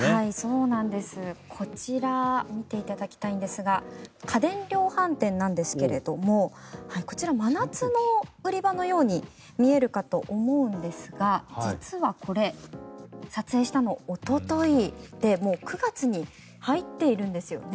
こちら見ていただきたいんですが家電量販店なんですがこちら、真夏の売り場のように見えるかと思うんですが実はこれ撮影したのはおとといでもう９月に入っているんですよね。